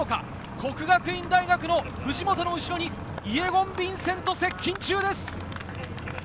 國學院大學の藤本の後ろにイェゴン・ヴィンセント接近中です。